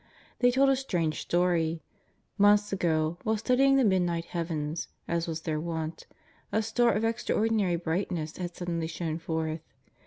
They told a strange story. Months ago, whilst study ing the midnight heavens, as was their wont, a star of extraordinary brightness had suddenly shone forth.